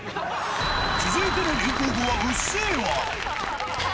続いての流行語はうっせぇわ。